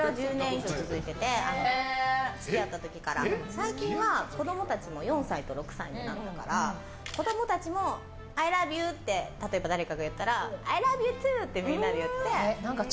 最近は子供たちも４歳と６歳になったから子供たちもアイラブユーって例えば誰か言ったらアイラブユートゥーって言って。